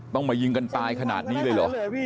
มายิงกันตายขนาดนี้เลยเหรอ